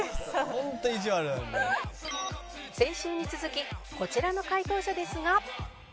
先週に続きこちらの解答者ですが